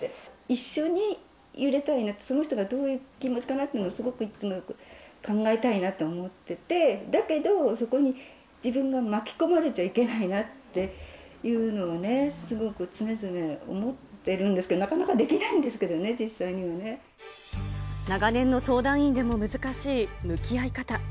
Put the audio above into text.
一緒に揺れたいなと、その人がどういう気持ちかなっていうのをいつも考えたいなと思っていて、だけどそこに、自分が巻き込まれちゃいけないなっていうのがね、すごく常々思ってるんですけど、なかなかできないんですけどね、実際にはね。長年の相談員でも難しい向き合い方。